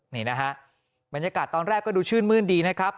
นี่นะฮะบรรยากาศตอนแรกก็ดูชื่นมื้นดีนะครับ